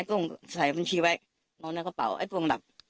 ไอ้ต้งใส่บัญชีไว้เอาในกระเป๋าไอ้ต้งหลับ